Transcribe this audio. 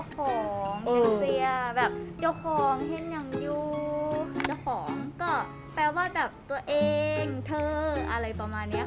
ก็แบบเจ้าของเจ้าของก็แปลว่าแบบตัวเองเธออะไรประมาณเนี้ยค่ะ